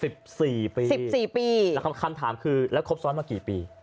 ๑๔ปี๑๔ปีแล้วคำถามคือแล้วคบซ้อนมากี่ปี